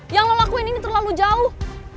yang lo lakuin ini terlalu jauh